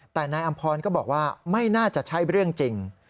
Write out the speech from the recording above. แต่นายอำพรก็บอกว่าไม่น่าจะใช่เรื่องจริง